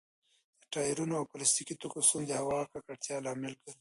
د ټايرونو او پلاستيکي توکو سون د هوا د ککړتيا لامل ګرځي.